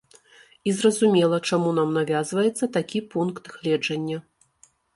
І зразумела, чаму нам навязваецца такі пункт гледжання.